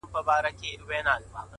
ليري له بلا سومه! چي ستا سومه!